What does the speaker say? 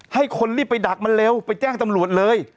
ให้คนรีบไปดักมันเร็วไปแจ้งตำรวจเลย